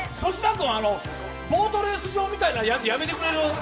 君、ボートレース場みたいなやじやめてくれる？